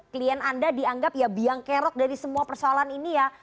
klien anda dianggap ya biang kerok dari semua persoalan ini ya